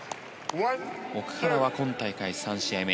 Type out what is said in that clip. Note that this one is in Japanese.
奥原は今大会３試合目。